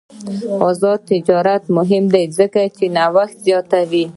آزاد تجارت مهم دی ځکه چې نوښت زیاتوي.